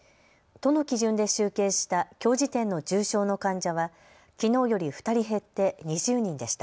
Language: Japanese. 都の基準で集計したきょう時点の重症の患者はきのうより２人減って２０人でした。